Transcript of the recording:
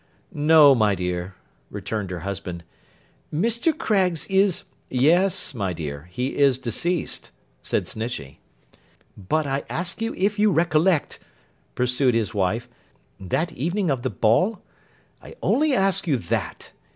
'No, my dear,' returned her husband. 'Mr. Craggs is—' 'Yes, my dear, he is deceased,' said Snitchey. 'But I ask you if you recollect,' pursued his wife, 'that evening of the ball? I only ask you that.